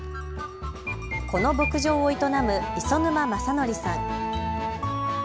この牧場を営む磯沼正徳さん。